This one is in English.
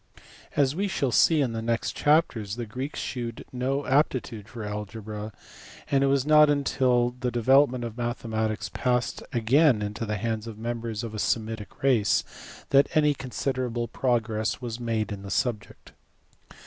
As we shall see in the next chapters the Greeks shewed no aptitude for algebra, and it was not until the development of mathematics passed again into the hands of members of a Semitic race that any considerable progress was made in the subject.